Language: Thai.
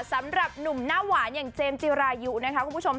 สำหรับหนุ่มหน้าหวานอย่างเจมส์จิรายุนะคะคุณผู้ชม